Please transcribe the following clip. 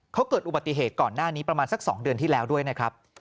เขาเกิดอุบัติเหตุก่อนหน้านี้ประมาณสัก๒เดือนที่แล้วด้วยนะครับ